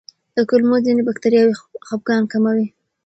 د کولمو ځینې بکتریاوې خپګان کموي.